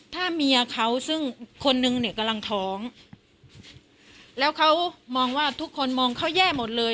ถ้าเมียเขาซึ่งคนนึงเนี่ยกำลังท้องแล้วเขามองว่าทุกคนมองเขาแย่หมดเลย